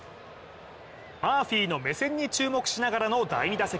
マーフィーの目線に注目しながらの第２打席。